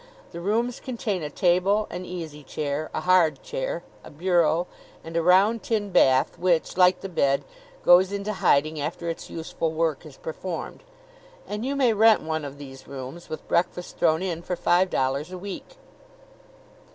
The rooms contain a table, an easy chair, a hard chair, a bureau, and a round tin bath, which, like the bed, goes into hiding after its useful work is performed. And you may rent one of these rooms, with breakfast thrown in, for five dollars a week.